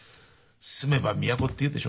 「住めば都」っていうでしょ。